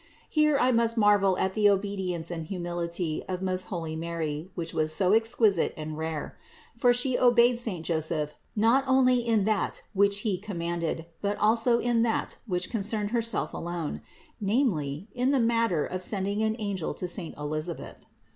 Here I must marvel at the obedience and humility of most holy Mary, which was so exquisite and rare: for She obeyed saint Joseph not only in that which he commanded, but also in that which concerned Herself alone, namely in the matter of sending an angel to saint Elisabeth.